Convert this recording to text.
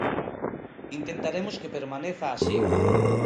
Intentaremos que permaneza así.